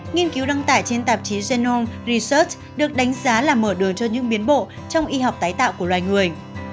nghiên cứu đăng tải trên tạp chí jennom research được đánh giá là mở đường cho những biến bộ trong y học tái tạo của loài người